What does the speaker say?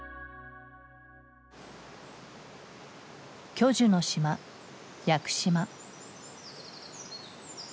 巨樹の島屋久島。